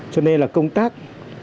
cho nên là công tác